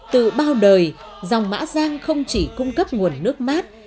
từ bao đời dòng mã giang không chỉ cung cấp nguồn nước mát